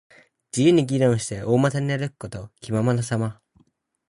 自由に議論して、大股に歩くこと。気ままなさま。